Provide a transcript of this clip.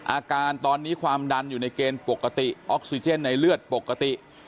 อาการตอนนี้ความดันอยู่ในเกณฑ์ปกติออกซิเจนในเลือดปกติ